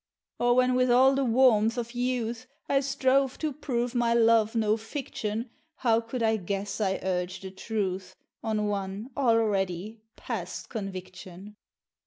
Or when with all the warmth of youth I strove to prove my love no fiction, How could I guess I urged a truth On one already past conviction!